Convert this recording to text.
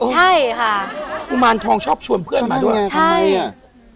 ใช่ค่ะกุมารทองชอบชวนเพื่อนมาด้วยทำไมอ่ะ